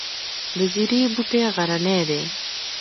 د زیرې بوټی غرنی دی